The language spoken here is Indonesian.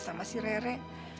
sama si rere